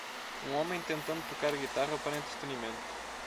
Um homem tentando tocar guitarra para entretenimento.